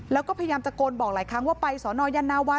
แล้วก็พยายามตะโกนบอกหลายครั้งว่าไปสอนอยันนาวา